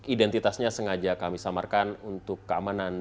identitasnya sengaja kami samarkan untuk keamanan dan keamanan di jakarta ini